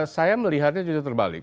saya melihatnya juga terbalik